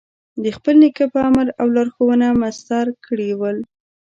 د خپل نیکه په امر او لارښوونه مسطر کړي ول.